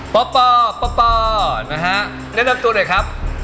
ปอปอปอปอนายฮะแนะนำตัวหน่อยครับ